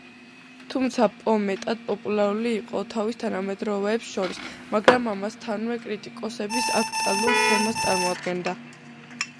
თუმცა, პო მეტად პოპულარული იყო თავის თანამედროვეებს შორის, მაგრამ ამასთანავე კრიტიკოსების აქტუალურ თემას წარმოადგენდა.